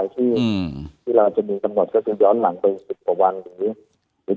ที่เราจะมีทั้งหมดก็คือย้อนหลังเป็น๑๐กว่าวันหรือ๗วัน